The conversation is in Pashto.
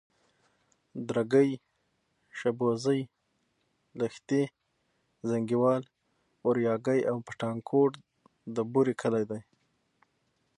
درگۍ، شبوزې، لښتي، زينگيوال، اورياگی او پټانکوټ د بوري کلي دي.